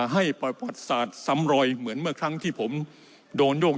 ให้ประวัติศาสตร์เร่มร้อยเหมือนเมื่อครั้งที่ผมโยก